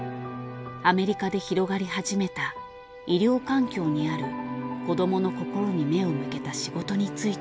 アメリカで広がり始めた医療環境にある子どもの心に目を向けた仕事についての本。